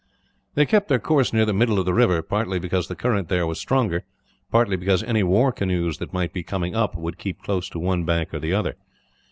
They kept their course near the middle of the river; partly because the current there was stronger, partly because any war canoes that might be coming up would keep close to one bank or the other.